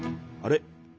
あれ？